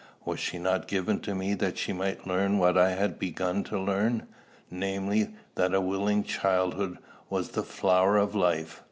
Was she not given to me that she might learn what I had begun to learn, namely, that a willing childhood was the flower of life?